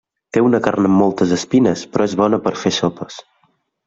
Té una carn amb moltes espines però és bona per fer sopes.